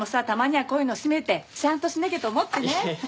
たまにはこういうのを締めてしゃんとしなきゃと思ってね。